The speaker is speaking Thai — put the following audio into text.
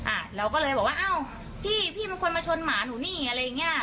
อ่ะเราก็เลยบอกว่าอ้าวพี่พี่เป็นคนมาชนหมาหนูนี่อะไรอย่างเงี้ย